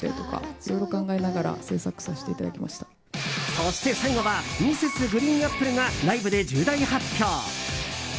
そして最後は、Ｍｒｓ．ＧＲＥＥＮＡＰＰＬＥがライブで重大発表！